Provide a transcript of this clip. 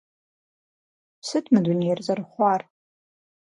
Сыт мы дунейр зэрыхъуар?